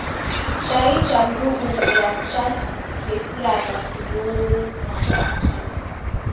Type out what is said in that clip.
Chai cha mrunghundia chatesiagha kulumwa ni kifu.